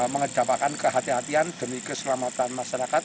mengejawakan kehatian demi keselamatan masyarakat